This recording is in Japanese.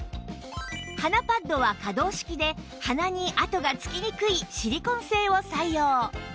鼻パッドは可動式で鼻に跡がつきにくいシリコン製を採用